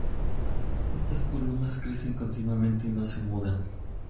Estas plumas crecen continuamente y no se mudan.